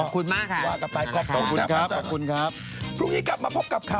คุณลูกก็บอกขอบคุณมากค่ะ